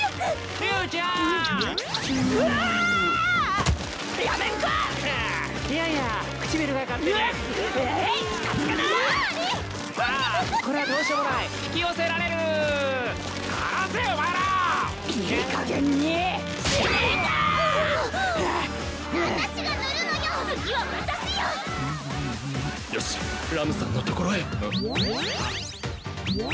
ふんふんよしラムさんのところへん？